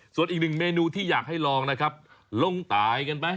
ส่วนอีกหนึ่งเมนูที่อยากให้ลองนะครับลงตายกันไหม